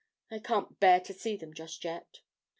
I can't bear to see them just yet.'